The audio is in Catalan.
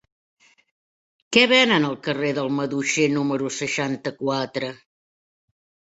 Què venen al carrer del Maduixer número seixanta-quatre?